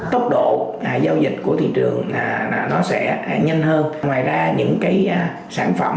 tốc độ giao dịch của thị trường nó sẽ nhanh hơn